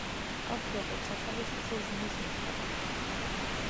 აქვს როგორც სახელის, ისე ზმნის ნიშნები.